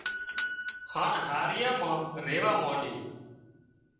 هانَ هاهريان مان ريوا مانڏي